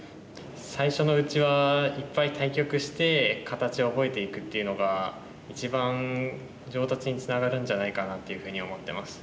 最初のうちはいっぱい対局して形を覚えていくっていうのが一番上達につながるんじゃないかなっていうふうに思ってます。